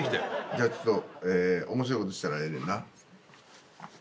じゃあちょっと面白いことしたらええねんな？